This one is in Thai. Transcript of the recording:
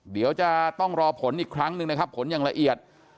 เดี๋ยวจะต้องรอผลอีกครั้งหนึ่งนะครับผลอย่างละเอียด